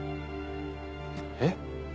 えっ？